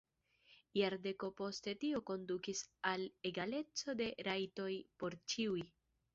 Jardeko poste tio kondukis al egaleco de rajtoj por ĉiuj.